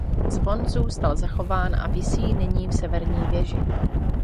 Zvon zůstal zachován a visí nyní v severní věži.